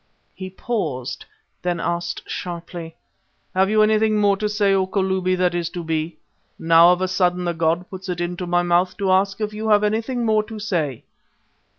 He paused, then asked sharply: "Have you anything more to say, O Kalubi that is to be? Now of a sudden the god puts it into my mouth to ask if you have anything more to say?"